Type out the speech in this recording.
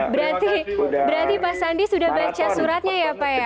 berarti pak sandi sudah baca suratnya ya pak ya